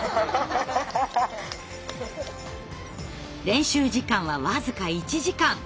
練習時間は僅か１時間。